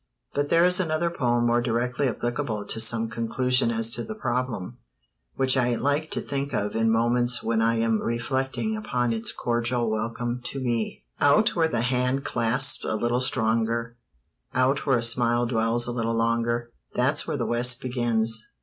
But there is another poem more directly applicable to some conclusion as to the problem, which I like to think of in moments when I am reflecting upon its cordial welcome to me: Out where the hand clasp's a little stronger, Out where a smile dwells a little longer That's where the West begins.